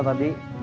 terima kasih tuhan